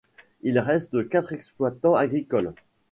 Il reste quatre exploitants agricoles.